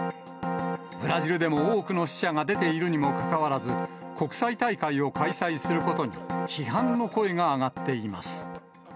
ブラジルでも多くの死者が出ているにもかかわらず、国際大会を開催することに、批判の声が上がっています。